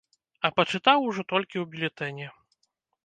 А пачытаў ужо толькі ў бюлетэні.